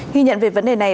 ghi nhận về vấn đề này